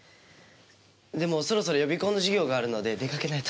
でもそろそろ予備校の授業があるのででかけないと。